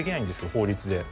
法律で。